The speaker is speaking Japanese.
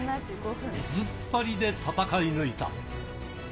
出ずっぱりで戦い抜いた。